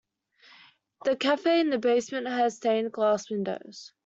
The cafe in the basement has stained glass windows.